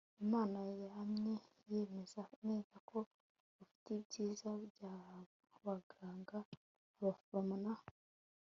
imana yamye yemeza neza ko ufite ibyiza byabaganga, abaforomo na